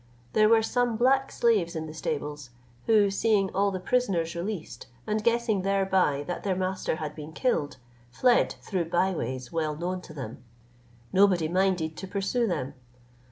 There were some black slaves in the stables, who seeing all the prisoners released, and guessing thereby that their master had been killed, fled through by ways well known to them. Nobody minded to pursue them.